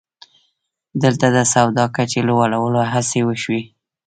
دلته د سواد کچې لوړولو هڅې وشوې